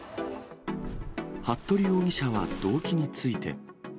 服部容疑者は動機について。